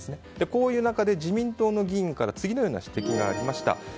こういう中で自民党の議員から次のような指摘がありました。